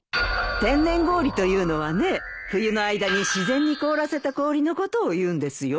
天然氷というのはね冬の間に自然に凍らせた氷のことをいうんですよ。